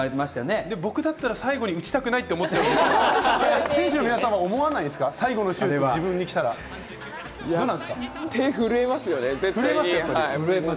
僕だったら最後に打ちたくないと思っちゃうんですけれども、選手の皆さんは思わな手震えますよね。